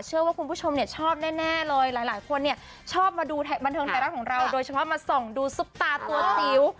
เชื่อว่าคุณผู้ชมเนี่ยชอบแน่เลยหลายคนเนี่ยชอบมาดูบันเทิงไทยรัฐของเราโดยเฉพาะมาส่องดูซุปตาตัวจิ๋ว